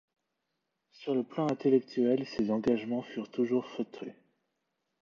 Sur le plan intellectuel, ses engagements furent toujours feutrés.